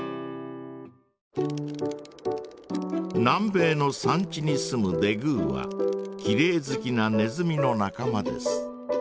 南米の山地に住むデグーはきれい好きなネズミの仲間です。